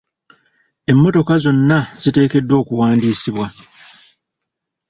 Emmotoka zonna ziteekeddwa okuwandiisibwa .